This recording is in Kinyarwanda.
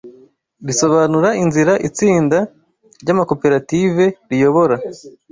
risobanura inzira itsinda ryamakoperative riyobora